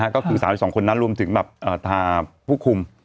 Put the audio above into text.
ก็คือ๓๒คนนั้นรวมถึงแบบทางผู้คุม